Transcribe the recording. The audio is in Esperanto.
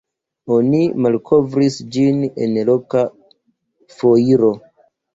Oni malkovris ĝin en loka foiro.